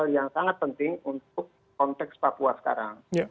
jadi hal yang sangat penting untuk konteks papua sekarang